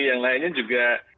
yang lainnya juga